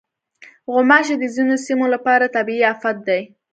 غوماشې د ځینو سیمو لپاره طبعي افت دی.